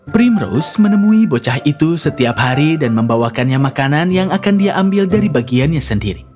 primrose menemui bocah itu setiap hari dan membawakannya makanan yang akan dia ambil dari bagiannya sendiri